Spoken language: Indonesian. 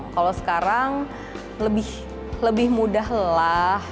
kalau sekarang lebih mudah lah